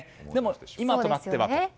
でも、今となっては。